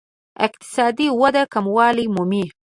اقتصادي وده کموالی مومي.